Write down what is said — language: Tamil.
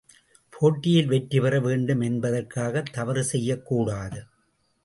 போட்டியில் வெற்றிபெற வேண்டும் என்பதற்காகத் தவறு செய்யக்கூடாது.